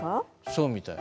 そうみたい。